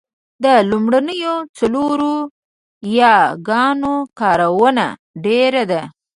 د لومړنیو څلورو یاګانو کارونه ډېره ده